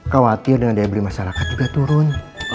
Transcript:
khawatir dengan daya beli masyarakat juga turun